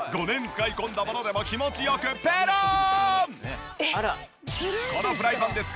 ５年使い込んだものでも気持ち良くペローン！